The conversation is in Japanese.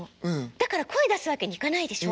だから声出すわけにいかないでしょ？